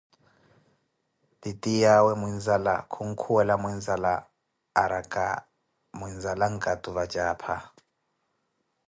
Titiyawe muinzala khunkhuwela muinzala arakah, muinzala nkatu vatjaapha